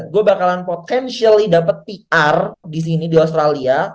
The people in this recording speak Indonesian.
gue bakalan potentially dapet pr disini di australia